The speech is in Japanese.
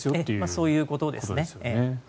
そういうことですね。